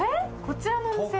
こちらのお店。